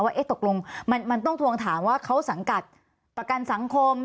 ว่าตกลงมันต้องทวงถามว่าเขาสังกัดประกันสังคม